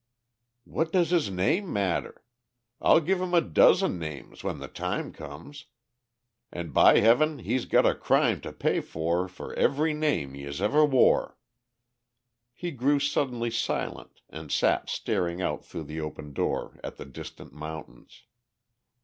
"What does his name matter? I'll give him a dozen names when the time comes, and by heaven he's got a crime to pay for for every name he ever wore!" He grew suddenly silent and sat staring out through the open door at the distant mountains.